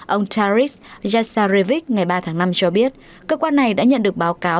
ông taris yassarevic ngày ba tháng năm cho biết cơ quan này đã nhận được báo cáo